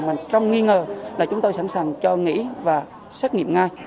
mà trong nghi ngờ là chúng tôi sẵn sàng cho nghỉ và xét nghiệm ngay